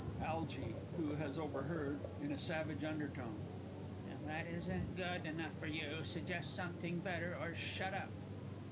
ALGY (who has overheard in a savage undertone). If that isn't good enough for you, suggest something better or shut up!